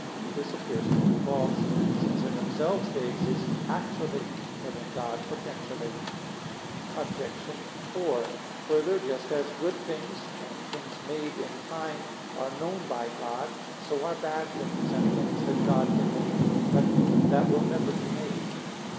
But this appears to be false; since in themselves they exist actually, but in God potentially. Obj. 4: Further, just as good things and things made in time are known by God, so are bad things, and things that God can make, but that never will be made.